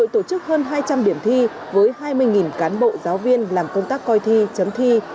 tổ chức hơn hai trăm linh điểm thi với hai mươi cán bộ giáo viên làm công tác coi thi chấm thi